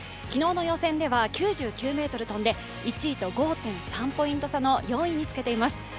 昨日の予選では９９ｍ飛んで１位と５．３ポイントの４位につけています。